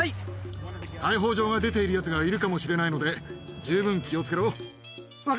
逮捕状が出ているやつがいるかもしれないので、十分気をつけろ。